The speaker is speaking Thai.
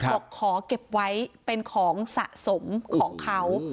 บอกขอเก็บไว้เป็นของสะสมของเขา